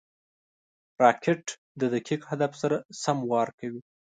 راکټ د دقیق هدف سره سم وار کوي